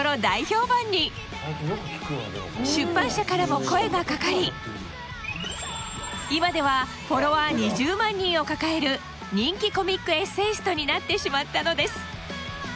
大評判に出版社からも声がかかり今ではフォロワー２０万人を抱える人気コミックエッセイストになってしまったのです